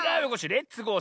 「レッツゴー！